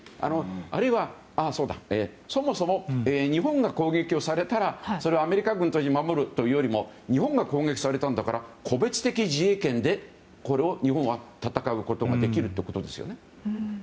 あるいは、そもそも日本が攻撃をされたらそれはアメリカ軍を守るというよりも日本が攻撃されたんだから個別的自衛権でこれを日本は戦うことができるということですよね。